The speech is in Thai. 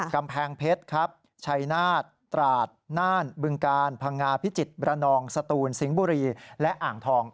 กำแพงเพชรครับชัยนาฏตราดน่านบึงกาลพังงาพิจิตรมระนองสตูนสิงห์บุรีและอ่างทอง